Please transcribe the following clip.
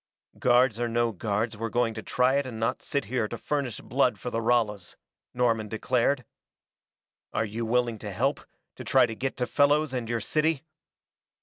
"Guards or no guards, we're going to try it and not sit here to furnish blood for the Ralas," Norman declared. "Are you willing to help, to try to get to Fellows and your city?"